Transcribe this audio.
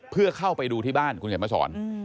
เพื่อเข้าไปดูที่บ้านคุณเขียนมาสอน